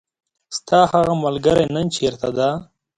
ستاهغه ملګری نن چیرته ده .